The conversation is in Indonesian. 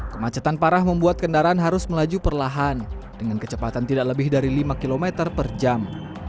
kemacetan parah membuat kendaraan harus melaju perlahan dengan kecepatan tidak lebih dari lima km per jam